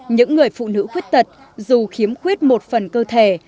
những người phụ nữ khuyết tật dù khiếm khuyết một phần cơ thể